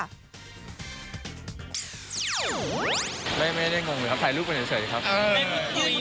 ไม่ได้งงเลยครับถ่ายรูปไปเฉยครับ